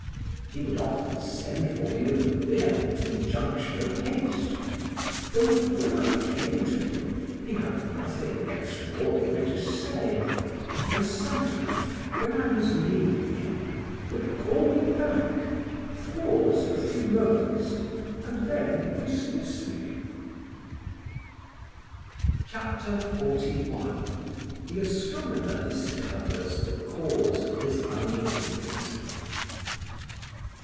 He would often send for me with vehement injunction of haste, though when I came to him he had nothing extraordinary to say; and sometimes, when I was leaving him, would call me back, pause a few moments, and then dismiss me." CHAPTER XLI THE ASTRONOMER DISCOVERS THE CAUSE OF HIS UNEASINESS.